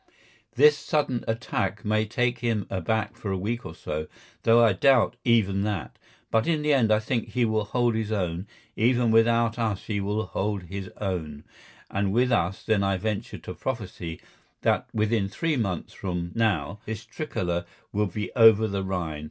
This sudden attack may take him aback for a week or so, though I doubt even that, but in the end I think he will hold his own; even without us he will hold his own, and with us then I venture to prophesy that within three months from now his Tricolour will be over the Rhine.